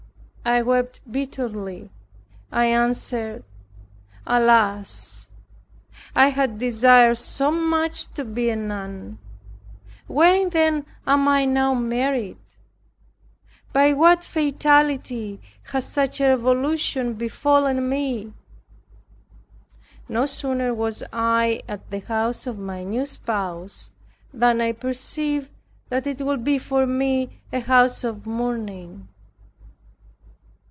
I wept bitterly. I answered, "Alas! I had desired so much to be a nun; why then am I now married? By what fatality has such a revolution befallen me?" No sooner was I at the house of my new spouse, than I perceived that it would be for me a house of mourning.